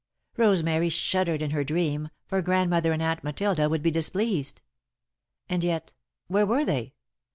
Rosemary shuddered in her dream, for Grandmother and Aunt Matilda would be displeased. And yet, where were they?